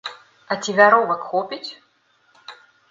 А ці вяровак хопіць?!.